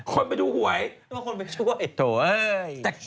คนไปดูหวยคนไปช่วย